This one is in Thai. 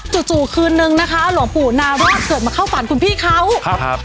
จู่จู่คืนนึงนะคะหลวงปู่นารอดเกิดมาเข้าฝันคุณพี่เขาครับ